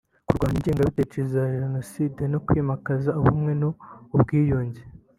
kurwanya ingengabitekerezo ya Jenoside no kwimakaza Ubumwe n’Ubwiyunge